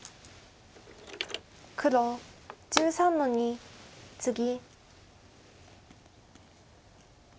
黒１３の二ツギ。